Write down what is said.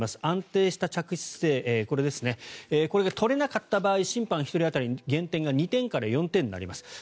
安定した着地姿勢が取れなかった場合審判１人当たり減点が２点から４点になります。